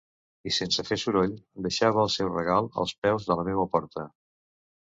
I, sense fer soroll, deixava el seu regal als peus de la meua porta.